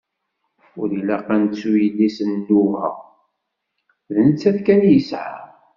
Ur ilaq ad nettu yelli-s n inuba, d nettat kan i yesɛa.